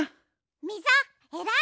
みぞえらい！